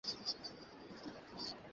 সে যেখানেই যাক।